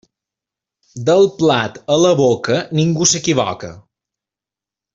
Del plat a la boca, ningú s'equivoca.